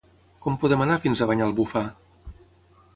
Com podem anar fins a Banyalbufar?